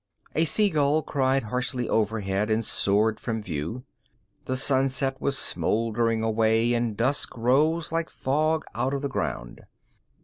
_ A seagull cried harshly overhead and soared from view. The sunset was smoldering away and dusk rose like fog out of the ground.